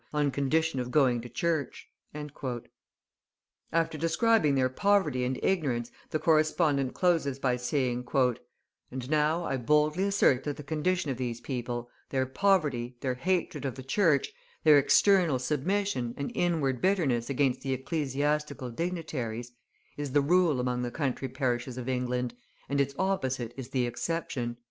on condition of going to church." After describing their poverty and ignorance, the correspondent closes by saying: "And now I boldly assert that the condition of these people, their poverty, their hatred of the church, their external submission and inward bitterness against the ecclesiastical dignitaries, is the rule among the country parishes of England, and its opposite is the exception."